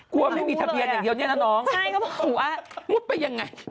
กลัวไม่มีทะเบียนอย่างเดียวเนี่ยนะน้องใช่เขาบอกหนูว่ามุดไปยังไง